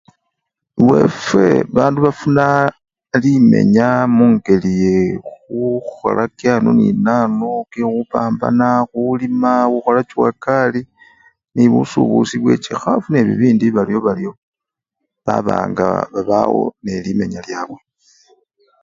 Ewefwe bandu bafuna limenya mungeli yekhukhola kyano nenano kyekhupanbana khulima khwachuwakali nebusubusi bwechikhafu ne bibindi baryobaryo baba nga babawo nelimenya lyabwe.